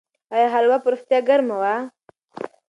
آیا هلوا په رښتیا ګرمه وه؟